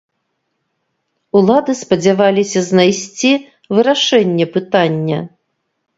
Улады спадзяваліся знайсці вырашэнне пытання.